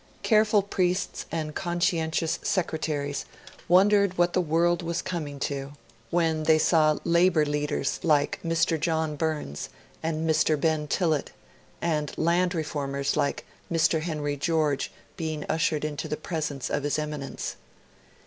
Careful priests and conscientious secretaries wondered what the world was coming to when they saw labour leaders like Mr. John Burns and Mr. Ben Tillett, and land reformers like Mr. Henry George, being ushered into the presence of his Eminence.